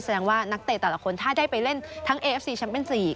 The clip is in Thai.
แสดงว่านักเตะแต่ละคนถ้าได้ไปเล่นทั้งเอฟซีแชมป์เป็น๔